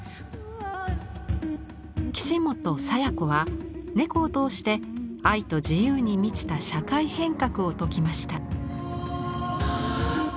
岸本清子は猫を通して愛と自由に満ちた社会変革を説きました。